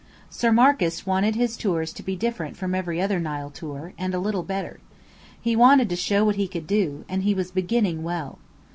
Sir Marcus wanted "his tours to be different from every other Nile tour, and a little better." He wanted to "show what he could do," and he was beginning well.